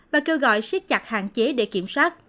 và kêu gọi siết chặt hạn chế để kiểm soát